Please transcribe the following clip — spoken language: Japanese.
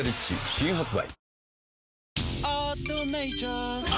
新発売